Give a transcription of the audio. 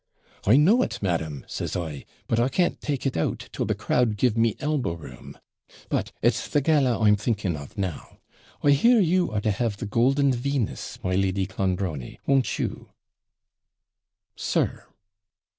"I know it, madam," says I, "but I can't take it out till the crowd give me elbow room." 'But it's gala I'm thinking of now. I hear you are to have the golden Venus, my Lady Clonbrony, won't you?' 'Sir!'